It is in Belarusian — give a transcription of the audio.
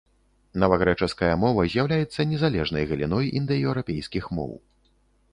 Навагрэчаская мова з'яўляецца незалежнай галіной індаеўрапейскіх моў.